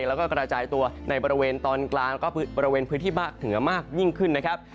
แล้วก็กระจายตัวในบริเวณตอนกลางก็บริเวณพื้นที่ภาคเหนือมากยิ่งขึ้นนะครับ